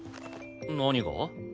何が？